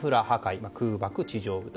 まあ空爆・地上部隊。